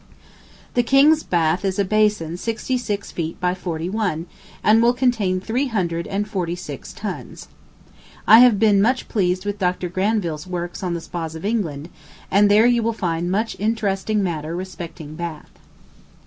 The King's Bath is a basin sixty six feet by forty one, and will contain three hundred and forty six tuns. I have been much pleased with Dr. Granville's works on the Spas of England, and there you will find much interesting matter respecting Bath.